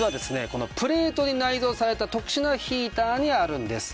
このプレートに内蔵された特殊なヒーターにあるんです。